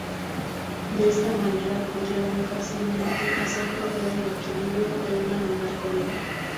De esta manera podría muy fácilmente hacer perder el equilibrio de un animal corriendo.